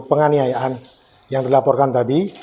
penganiayaan yang dilaporkan tadi